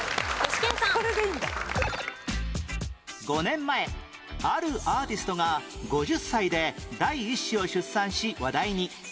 ５年前あるアーティストが５０歳で第１子を出産し話題に